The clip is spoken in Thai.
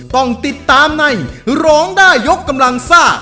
ต้องติดตามในร้องได้ยกกำลังซ่า